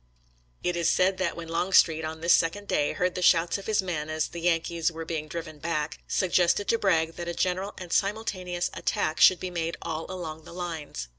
" It is said that when Longstreet, on this sec ond day, heard the shouts of his men as the Yankees were being driven back, suggested to Bragg that a general and simultaneous attack should be made all along the lines.